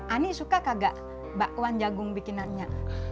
ani suka kagak bakwan jagung bikinannya